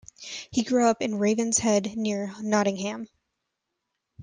He grew up in Ravenshead, near Nottingham.